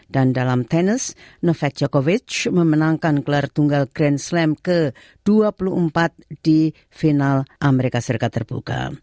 dan dalam tenis novak djokovic memenangkan gelar tunggal grand slam ke dua puluh empat di final as terbuka